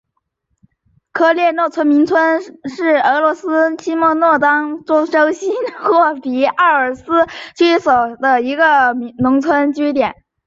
科列诺农村居民点是俄罗斯联邦沃罗涅日州新霍皮奥尔斯克区所属的一个农村居民点。